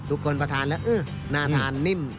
ทุกคนประทานแล้วน่าทานนิ่ม